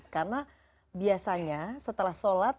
karena biasanya setelah sholat